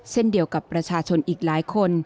เช่นเดียวกับประชาชนอีกหลายคน